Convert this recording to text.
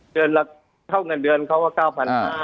เดือนละเท่าเงินเดือนเขาว่าเก้าพันห้า